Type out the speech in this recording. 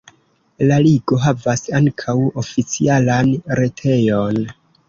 La ligo havas ankaŭ oficialan retejon.